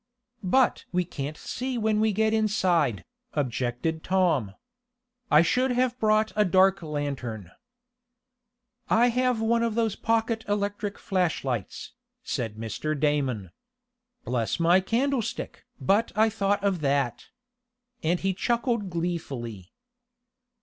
"But we can't see when we get inside," objected Tom. "I should have brought a dark lantern." "I have one of those pocket electric flashlights," said Mr. Damon. "Bless my candlestick! but I thought of that." And he chuckled gleefully.